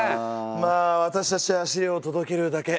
まあ私たちは資料を届けるだけ。